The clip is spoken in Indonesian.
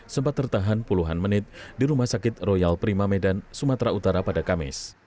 sempat tertahan puluhan menit di rumah sakit royal prima medan sumatera utara pada kamis